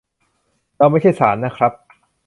เราไม่ใช่ศาลนะครับ